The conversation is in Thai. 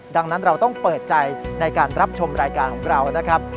ดังนั้นเราต้องเปิดใจในการรับชมรายการของเรานะครับ